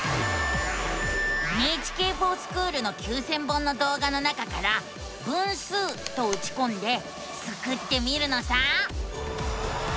「ＮＨＫｆｏｒＳｃｈｏｏｌ」の９，０００本の動画の中から「分数」とうちこんでスクってみるのさ！